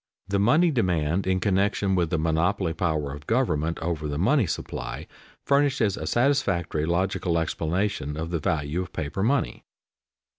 The money demand in connection with the monopoly power of government over the money supply, furnishes a satisfactory logical explanation of the value of paper money.